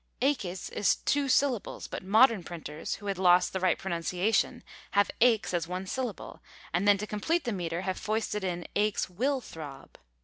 Aches is two syllables, but modern printers, who had lost the right pronunciation, have aches as one syllable; and then, to complete the metre, have foisted in "aches will throb."